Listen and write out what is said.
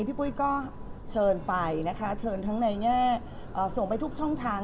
ปุ้ยก็เชิญไปนะคะเชิญทั้งในแง่ส่งไปทุกช่องทาง